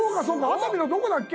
熱海のどこだっけ？」